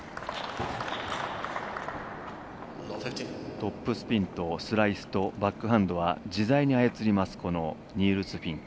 トップスピンとスライスとバックハンドは自在に操りますニールス・フィンク。